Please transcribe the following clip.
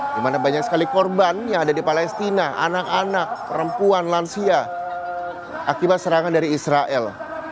di mana banyak sekali korban yang ada di palestina anak anak perempuan lansia akibat serangan dari israel